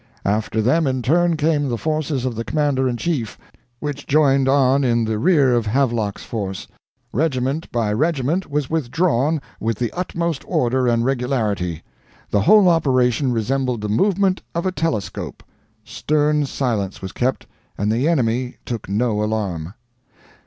After them in turn came the forces of the Commander in Chief, which joined on in the rear of Havelock's force. Regiment by regiment was withdrawn with the utmost order and regularity. The whole operation resembled the movement of a telescope. Stern silence was kept, and the enemy took no alarm."